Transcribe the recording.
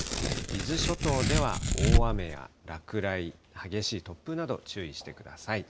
伊豆諸島では大雨や落雷、激しい突風など注意してください。